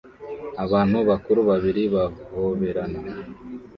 abantu bakuru babiri bahoberana